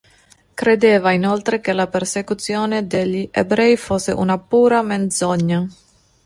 Credeva inoltre che la persecuzione degli ebrei fosse una pura menzogna.